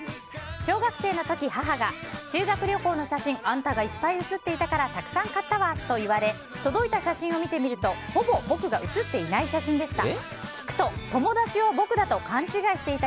小学生の時、母が修学旅行の写真あんたがいっぱい写っていたからたくさん買ったわと言われ届いた写真を見てみるとほぼ僕が写っていない写真でした。